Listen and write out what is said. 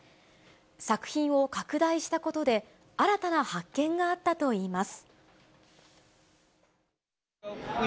作品を拡大したことで、新たな発見があったといいます。